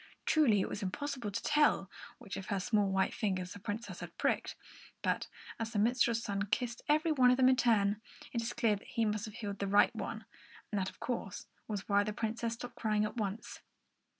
Truly, it was impossible to tell which of her small white fingers the Princess had pricked, but as the minstrel's son kissed every one of them in turn, it is clear that he must have healed the right one; and that, of course, was why the Princess stopped crying at once.